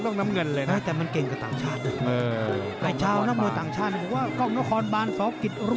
บอกที่แฮนเกียมันเราละกัน